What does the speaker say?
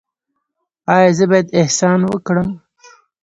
ایا زه باید احسان وکړم؟